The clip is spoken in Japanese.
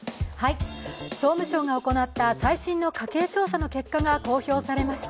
総務省が行った最新の家計調査の結果が公表されました。